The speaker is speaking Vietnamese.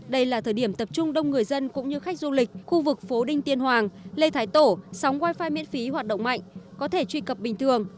đây là thời điểm tập trung đông người dân cũng như khách du lịch khu vực phố đinh tiên hoàng lê thái tổ sóng wifi miễn phí hoạt động mạnh có thể truy cập bình thường